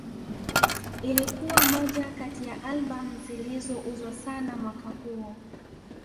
Ilikuwa moja kati ya Albamu zilizouzwa sana mwaka huo